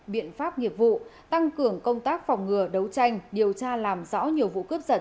biện pháp nghiệp vụ tăng cường công tác phòng ngừa đấu tranh điều tra làm rõ nhiều vụ cướp giật